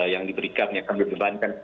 yang diberikan yang akan dibebankan